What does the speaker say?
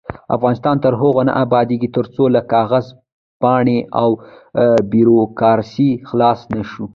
افغانستان تر هغو نه ابادیږي، ترڅو له کاغذ پرانۍ او بیروکراسۍ خلاص نشو.